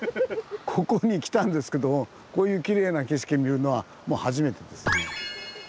ここに来たんですけどもこういうきれいな景色見るのは初めてですね。